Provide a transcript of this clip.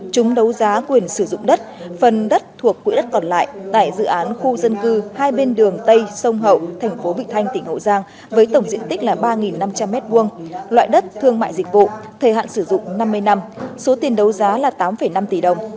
chúng đấu giá quyền sử dụng đất phần đất thuộc quỹ đất còn lại tại dự án khu dân cư hai bên đường tây sông hậu thành phố bị thanh tỉnh hậu giang với tổng diện tích là ba năm trăm linh m hai loại đất thương mại dịch vụ thời hạn sử dụng năm mươi năm số tiền đấu giá là tám năm tỷ đồng